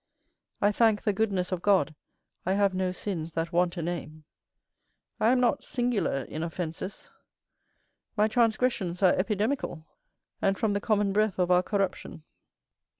I thank the goodness of God, I have no sins that want a name. I am not singular in offences; my transgressions are epidemical, and from the common breath of our corruption.